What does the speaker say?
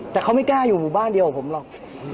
แต่เขาไม่กล้าอยู่หมู่บ้านเดียวกับผมหรอก